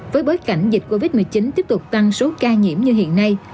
với bối cảnh dịch covid một mươi chín tiếp tục tăng số ca nhiễm như hiện nay